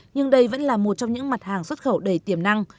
nhưng đây vẫn là một trong những mặt hàng xuất khẩu đầy tiềm năng